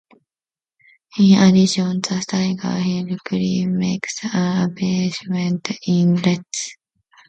In addition, the Tiger-Heli craft makes an appearance in Let's!